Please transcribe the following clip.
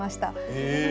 へえ。